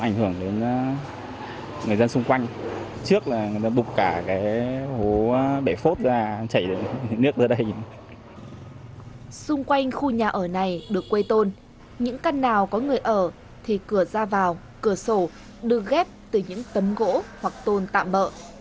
những căn nào có người ở thì cửa ra vào cửa sổ đưa ghép từ những tấm gỗ hoặc tôn tạm bỡ